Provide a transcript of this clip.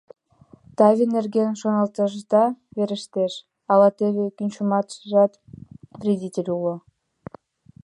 Таве нерген шоналташда верештеш, ала таве кӱнчымаштыжат вредитель уло?